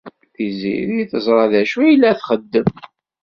Tiziri teẓra d acu i la txeddem.